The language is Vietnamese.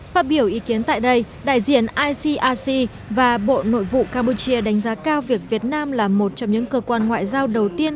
phát biểu ý kiến tại đây đại diện icrc và bộ nội vụ campuchia đánh giá cao việc việt nam là một trong những cơ quan ngoại giao đầu tiên